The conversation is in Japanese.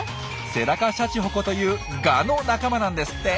セダカシャチホコというガの仲間なんですって。